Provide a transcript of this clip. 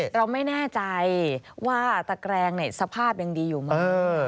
เราไม่แน่ใจว่าตะแกรงสภาพยังดีอยู่ไหม